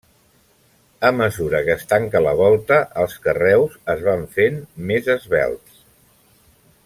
A mesura que es tanca la volta, els carreus es van fent més esvelts.